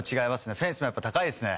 フェンスもやっぱ高いですね。